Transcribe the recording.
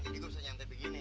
jadi gue bisa nyantai begini